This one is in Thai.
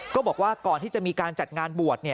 ก็บอกว่าก่อนที่จะมีการจัดงานบวช